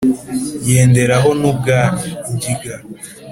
Yendera ho n’ubwa Ngiga,